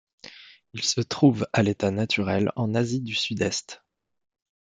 Il se trouve à l'état naturel en Asie du Sud-Est.